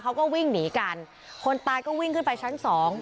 เขาก็วิ่งหนีกันคนตายก็วิ่งขึ้นไปชั้นสอง